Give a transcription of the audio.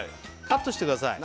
カットしてください